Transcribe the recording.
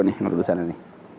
yang diperbaiki oleh jaklingko